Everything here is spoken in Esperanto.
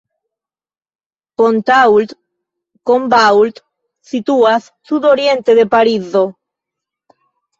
Pontault-Combault situas sudoriente de Parizo.